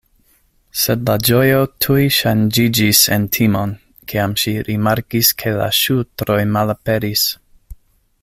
Sed la ĝojo tuj ŝanĝiĝis en timon, kiam ŝi rimarkis ke la ŝultroj malaperis.